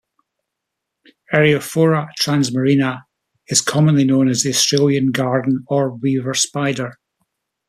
"Eriophora transmarina" is commonly known as the "Australian garden orb weaver spider".